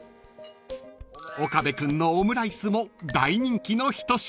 ［岡部君のオムライスも大人気の一品］